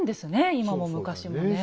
今も昔もねえ。